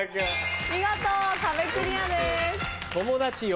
見事壁クリアです。